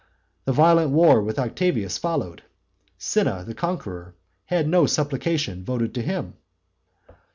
The violent war with Octavius followed. Cinna the conqueror had no supplication voted to him.